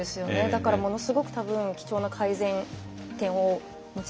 だからものすごく多分貴重な改善点をお持ちで。